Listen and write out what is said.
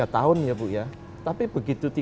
dua tahun ya bu ya tapi begitu